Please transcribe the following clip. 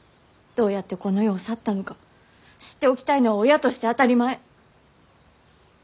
どうやってこの世を去ったのか知っておきたいのは親として当たり前。